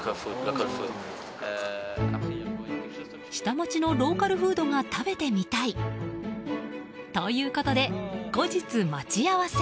下町のローカルフードが食べてみたい！ということで後日、待ち合わせ。